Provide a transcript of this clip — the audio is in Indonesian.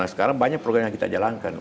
sekarang banyak program yang kita jalankan